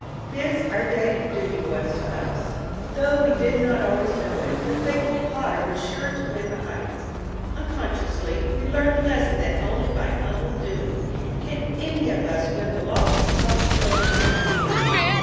This our daily duty was to us. Though we did not always know it, the faithful plodder was sure to win the heights. Unconsciously we learned the lesson that only by humble Doing can any of us win the lofty possibilities of Being.